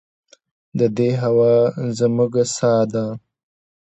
د دې هوا زموږ ساه ده